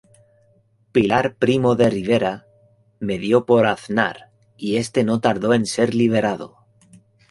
Pilar Primo de Rivera medió por Aznar y este no tardó en ser liberado.